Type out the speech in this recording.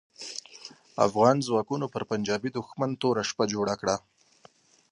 افغان ځواکونو پر پنجاپي دوښمن توره شپه جوړه کړه.